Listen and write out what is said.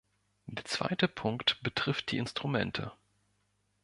Der zweite Punkt betrifft die Instrumente.